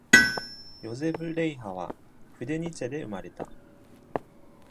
ヨゼフ・レイハは、フデニツェで生まれた。